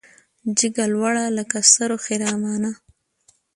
جګه لوړه لکه سرو خرامانه